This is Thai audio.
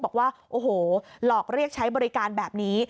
บอกว่าโอ้โหหลอกเรียกใช้บริการแบบนี้